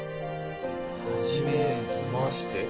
初めまして。